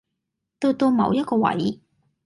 到到某一個位